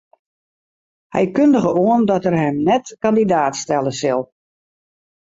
Hy kundige oan dat er him net kandidaat stelle sil.